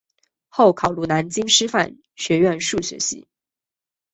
后考入南京师范学院数学系。